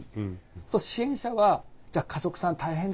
そうすると支援者はじゃあ家族さん大変ですよねって。